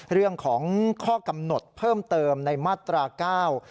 เรื่องของข้อกำหนดเพิ่มเติมในมาตราเก้า